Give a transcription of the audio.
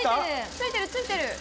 ついてるついてる！